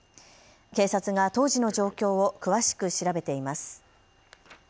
警察が当時の状況を詳しく調べています。